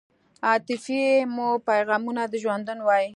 عاطفې مو پیغامونه د ژوندون وای